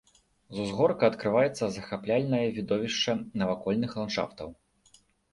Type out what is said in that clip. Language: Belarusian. З узгорка адкрываецца захапляльнае відовішча навакольных ландшафтаў.